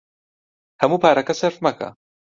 هەموو پارەکە سەرف مەکە.